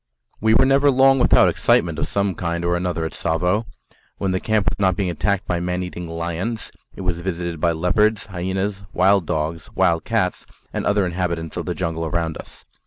We were never long without excitement of some kind or another at Tsavo. When the camp was not being attacked by man eating lions, it was visited by leopards, hyenas, wild dogs, wild cats, and other inhabitants of the jungle around us.